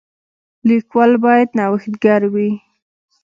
لیکوال باید نوښتګر وي.